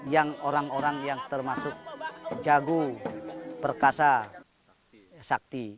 yang orang orang yang termasuk jago perkasa sakti